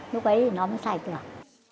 lúc ấy thì nó mới sạch được